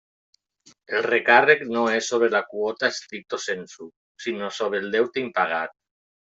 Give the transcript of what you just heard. El recàrrec no és sobre la quota stricto sensu, sinó sobre el deute impagat.